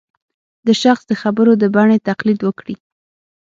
د شخص د خبرو د بڼې تقلید وکړي